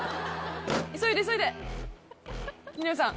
急いで急いで二宮さん